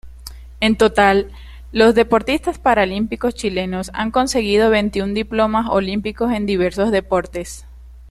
En total, los deportistas paralímpicos chilenos han conseguido veintiún diplomas olímpicos en diversos deportes.